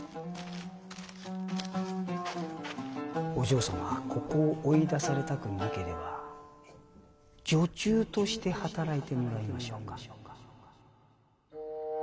お嬢様ここを追い出されたくなければ女中として働いてもらいましょうか。